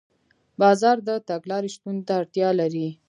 بازار د تګلارې شتون ته اړتیا لري.